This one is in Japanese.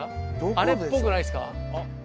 あれっぽくないですか？